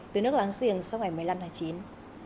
từ nước láng giềng sau ngày một mươi năm tháng chín